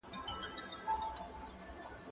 زه به اوبه څښلې وي